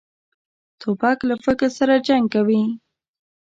توپک له فکر سره جنګ کوي.